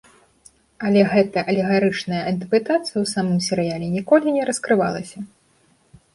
Але гэтая алегарычная інтэрпрэтацыя ў самым серыяле ніколі не раскрывалася.